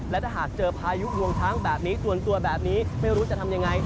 และถ้าหากเจอพายุงวงช้างแบบนี้ส่วนตัวแบบนี้ไม่รู้จะทำยังไง